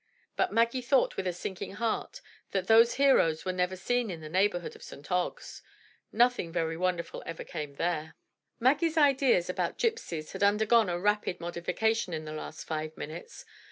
But Maggie thought with a sinking heart that these heroes were never seen in the neigh borhood of St. Ogg's; nothing very wonderful ever came there. 246 THE TREASURE CHEST Maggie's ideas about gypsies had undergone a rapid modi fication in the last five minutes.